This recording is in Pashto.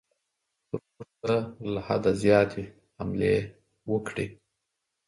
پر موږ به له حده زیاتې حملې وکړي.